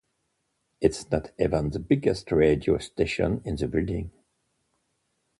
It's not even the biggest radio station in the building.